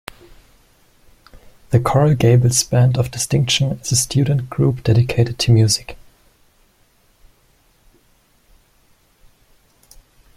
The Coral Gables Band of Distinction is a student group dedicated to music.